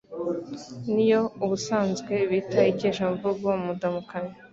niyo ubusanzwe bita Ikeshamvugo mu ndamukanyo.